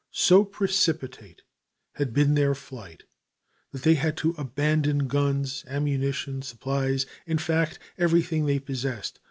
So precipitate had been their flight that they had to abandon guns, ammunition, supplies, in fact everything they possessed.